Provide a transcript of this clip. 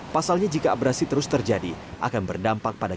pasalnya jika abrasi terus terjadi akan berdampak pada